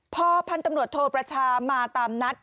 พอพันธุ์ตำรวจโทประชามาตามนัด